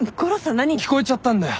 聞こえちゃったんだよ